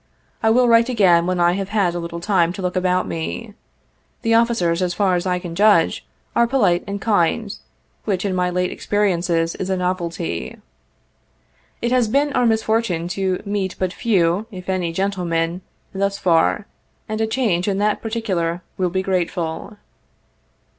I will write again when I have had a little time to look about me. The officers, as far as I can judge, are polite and kind, which in my late experiences is a novelty. It has been our misfortune to meet but few, if any, gentlemen, thus far, and a change in that particular will be grateful."